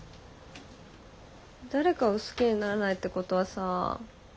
誰かを好きにならないってことはさ